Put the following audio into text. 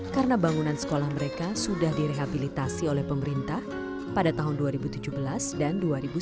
karena bangunan sekolah mereka sudah direhabilitasi oleh pemerintah pada tahun dua ribu tujuh belas dan dua ribu sembilan belas